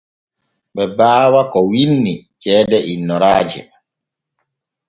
Ɓe baawa ko winni ceede innoraaje.